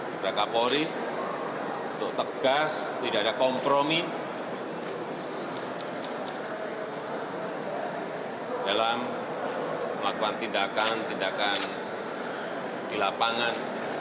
kepada kapolri untuk tegas tidak ada kompromi dalam melakukan tindakan tindakan di lapangan